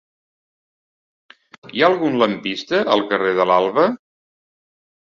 Hi ha algun lampista al carrer de l'Alba?